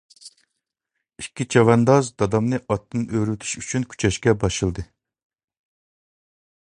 ئىككى چەۋەنداز دادامنى ئاتتىن ئۆرۈۋېتىش ئۈچۈن كۈچەشكە باشلىدى.